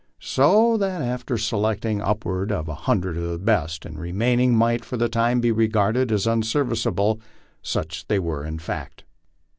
So that after selecting upward of a hundred of the best, the remainder might for the timo be regarded as unser viceable ; such they were in fact.